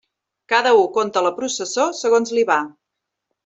Cada u conta la processó segons li va.